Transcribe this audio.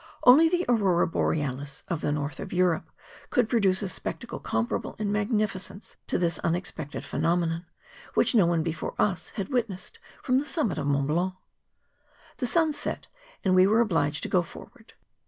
Only the aurora borealis of the north of Europe could produce a spectacle comparable in magnificence to this un¬ expected phenomenon, which no one before us had witnessed from the summit of Mont Blanc. The sun set; and we were obliged to go forward.